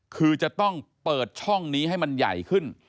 คือจะต้องเปิดช่องนี้ให้มันใหญ่ขึ้น